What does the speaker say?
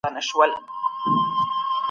ما ته د الوتکو د البوهمېشه حال معلوم دی.